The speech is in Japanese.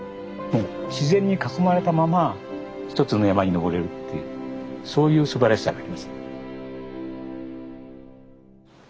自然に囲まれたまま一つの山に登れるっていうそういうすばらしさがあります。